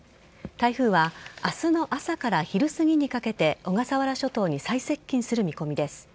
台風は明日の朝から昼すぎにかけて小笠原諸島に最接近する見込みです。